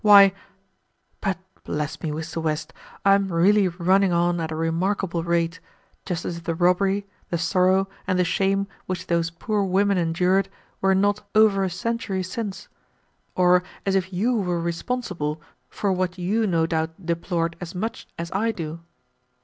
Why but bless me, Mr. West, I am really running on at a remarkable rate, just as if the robbery, the sorrow, and the shame which those poor women endured were not over a century since, or as if you were responsible for what you no doubt deplored as much as I do."